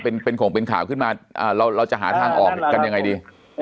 เป็นของเป็นข่าวขึ้นมาเราจะหาทางออกกันยังไงดี